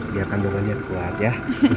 biarkan bangunannya kuat ya